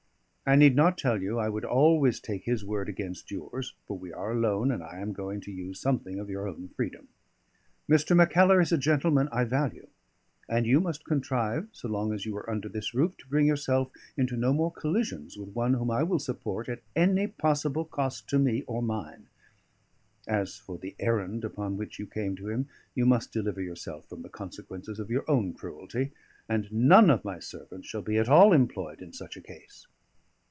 I need not tell you I would always take his word against yours; for we are alone, and I am going to use something of your own freedom. Mr. Mackellar is a gentleman I value; and you must contrive, so long as you are under this roof, to bring yourself into no more collisions with one whom I will support at any possible cost to me or mine. As for the errand upon which you came to him, you must deliver yourself from the consequences of your own cruelty, and none of my servants shall be at all employed in such a case."